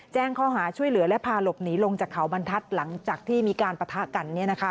แจ้งข้อหาช่วยเหลือและพาหลบหนีลงจากเขาบรรทัศน์หลังจากที่มีการปะทะกัน